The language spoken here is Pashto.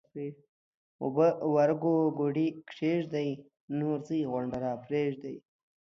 اوبه ورګو ګوډي کښېږدئ ـ نورې ځئ غونډه راپرېږدئ